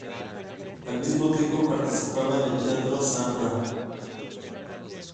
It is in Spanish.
Al mismo tiempo participaba en el Teatro Zambra.